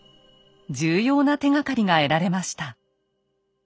重要な手がかりが得られました。